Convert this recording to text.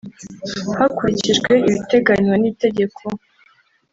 hakurikijwe ibiteganywa n’itegeko